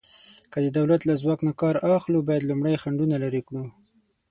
که د دولت له ځواک نه کار اخلو، باید لومړی خنډونه لرې کړو.